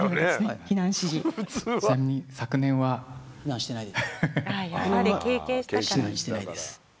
避難してないです。